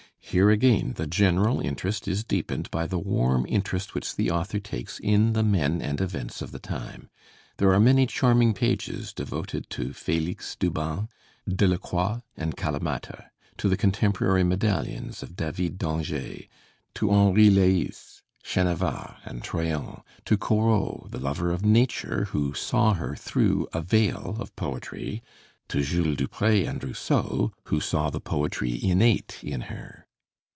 Here again the general interest is deepened by the warm interest which the author takes in the men and events of the time. There are many charming pages devoted to Félix Duban, Delacroix, and Calamatta; to the contemporary medallions of David d'Angers; to Henri Leys, Chenavard, and Troyon; to Corot, the lover of nature who saw her through a veil of poetry; to Jules Dupré and Rousseau, who saw the poetry innate in her.